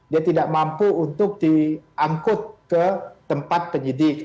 dia tidak mampu untuk diangkut ke tempat penyidik